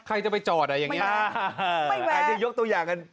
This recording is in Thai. ใครจะไปจอดอ่ะอย่างนี้